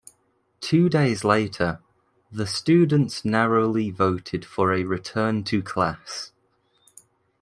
Two days later, the students narrowly voted for a return to class.